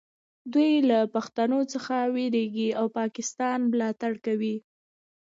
دوی له پښتنو څخه ویریږي او پاکستان ملاتړ کوي